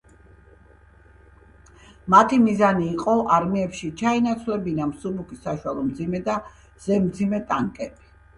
მათი მიზანი იყო არმიებში ჩაენაცვლებინა: მსუბუქი, საშუალო, მძიმე და ზემძიმე ტანკები.